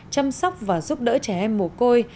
chăm sóc và giúp đỡ trẻ em mổ côi